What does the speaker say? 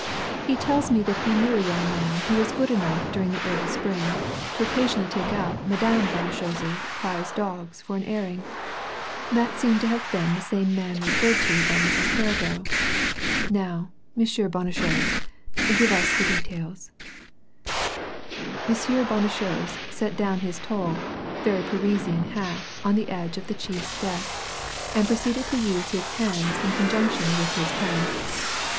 He tells me that he knew a young man who was good enough during the early spring, to occasionally take out Madame Bonnechose's prize dogs for an airing. That seems to have been the same man referred to by Mrs. Perrigo. Now, M. Bonnechose, give us the details." M. Bonnechose set down his tall, very Parisian hat on the edge of the chief's desk, and proceeded to use his hands in conjunction with his tongue.